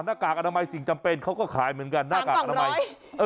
หน้ากากอนามัยสิ่งจำเป็นเขาก็ขายเหมือนกันหน้ากากอนามัยเออ